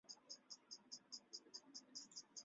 晚上还能吃啊